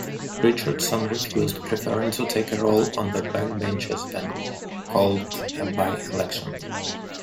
Richardson refused, preferring to take a role on the backbenches then called a by-election.